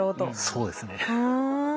そうですね。